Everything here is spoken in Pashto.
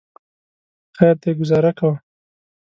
خیر دی ګوزاره کوه.